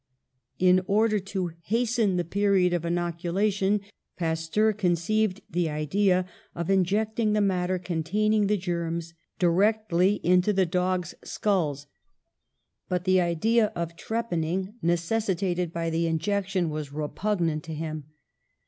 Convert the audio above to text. In order to hasten the period of inocula tion, Pasteur conceived the idea of injecting the matter containing the germs directly into the dogs' skulls ; but the idea of trepanning, neces 164 PASTEUR sitated by the injection, was repugnant to him.